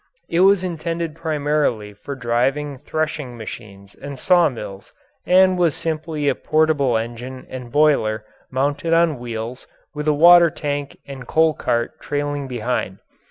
It was intended primarily for driving threshing machines and sawmills and was simply a portable engine and boiler mounted on wheels with a water tank and coal cart trailing behind.